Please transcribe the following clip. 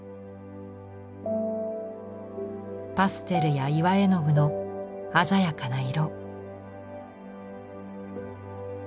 パステルや岩絵の具の鮮やかな色。